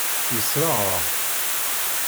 Yessṛeɣ-aɣ-tt.